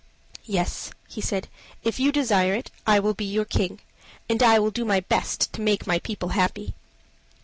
"Yes," he said, "if you desire it, I will be your king. And I will do my best to make my people happy."